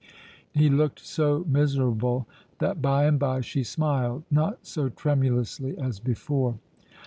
He looked so miserable that by and by she smiled, not so tremulously as before.